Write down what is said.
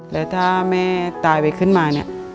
แล้วถ้าแม่ตายไปขึ้นมา